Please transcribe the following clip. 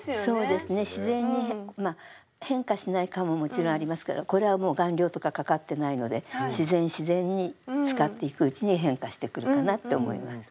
自然に変化しない革ももちろんありますけどこれはもう顔料とかかかってないので自然自然に使っていくうちに変化してくるかなって思います。